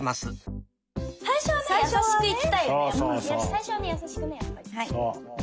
最初はねやさしくねやっぱりね。